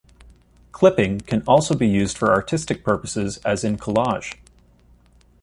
Clipping can also be used for artistic purposes as in collage.